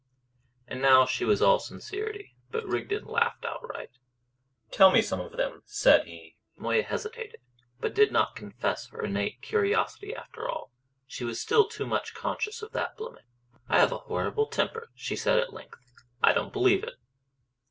And now she was all sincerity. But Rigden laughed outright. "Tell me some of them," said he. Moya hesitated; and did not confess her innate curiosity after all. She was still much too conscious of that blemish. "I have a horrible temper," she said at length. "I don't believe it."